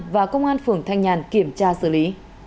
và công an phường thanh nhàn kiểm tra xử lý